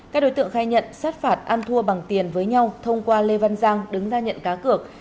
các đối tượng khai nhận sát phạt ăn thua bằng tiền với nhau thông qua lê văn giang đứng ra nhận cá cược